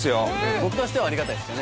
僕としてはありがたいですよね